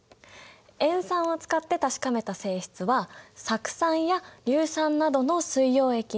塩酸を使って確かめた性質は酢酸や硫酸などの水溶液に共通の性質なんだ。